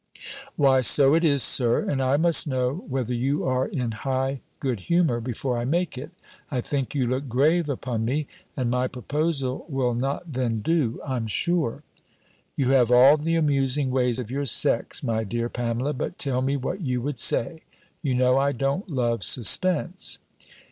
"Why, so it is, Sir: and I must know, whether you are in high good humour, before I make it. I think you look grave upon me; and my proposal will not then do, I'm sure." "You have all the amusing ways of your sex, my dear Pamela. But tell me what you would say? You know I don't love suspense."